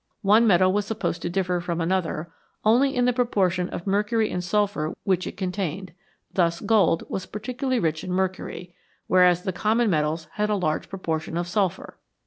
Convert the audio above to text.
One metal was THE PHILOSOPHER'S STONE supposed to differ from another only in the proportion of mercury and sulphur which it contained ; thus gold was particularly rich in mercury, whereas the common metals had a large proportion of sulphur.